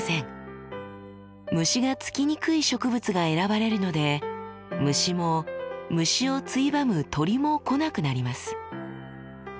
虫がつきにくい植物が選ばれるので虫も虫をついばむ鳥も来なくなります。